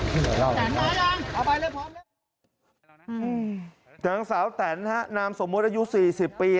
กังสาวแตนฮะนามสมมติอายุ๔๐ปี